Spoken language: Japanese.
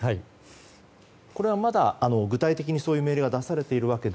これはまだ、具体的にそういう命令は出されてない？